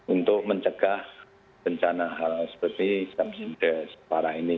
untuk mencegah rencana hal seperti ini